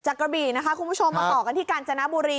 กระบี่นะคะคุณผู้ชมมาต่อกันที่กาญจนบุรี